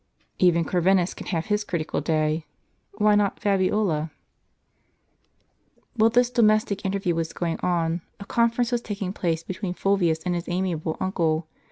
Even Corvinus can have his critical day. Why not Fabiola ? While this domestic interview was going on, a conference was taking place between Fulvius and his amiable uncle.